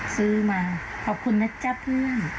ซื้อมาขอบคุณนะจ๊ะเพื่อน